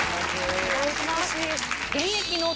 お願いします。